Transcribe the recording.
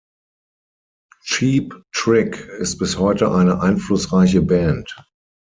Cheap Trick ist bis heute eine einflussreiche Band.